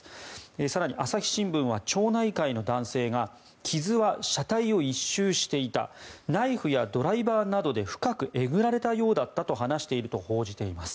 更に朝日新聞は町内会の男性が傷は車体を１周していたナイフやドライバーなどで深くえぐられたようだったと話していると報じています。